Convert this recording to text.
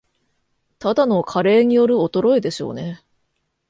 ただの加齢による衰えでしょうね